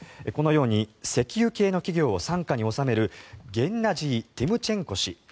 このように石油系の企業を傘下に収めるゲンナジー・ティムチェンコ氏。